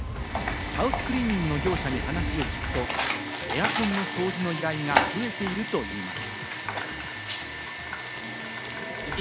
ハウスクリーニングの業者に話を聞くと、エアコンの掃除の依頼が増えているといいます。